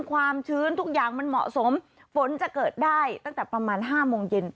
ความชื้นทุกอย่างมันเหมาะสมฝนจะเกิดได้ตั้งแต่ประมาณ๕โมงเย็น